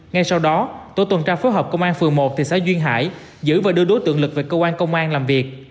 ngay sau đó tổ tuần tra phối hợp công an phường một thị xã duyên hải giữ và đưa đối tượng lực về cơ quan công an làm việc